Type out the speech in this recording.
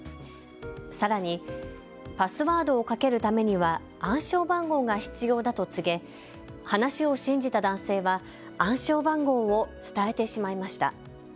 さらにパスワードをかけるためには暗証番号が必要だと告げ話を信じた男性は暗証番号を伝えてしまいました。